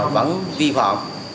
vẫn vi phạm